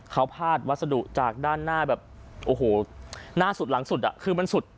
เขาพาดวัสดุจากด้านหน้าแบบโอ้โหหน้าสุดหลังสุดอ่ะคือมันสุด